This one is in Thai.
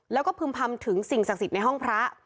แล้วก็พึ่มพำถึงสิ่งศักดิ์สิทธิ์ในห้องพระ